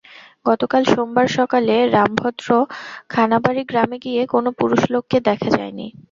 গতকাল সোমবার সকালে রামভদ্র খানাবাড়ি গ্রামে গিয়ে কোনো পুরুষ লোককে দেখা যায়নি।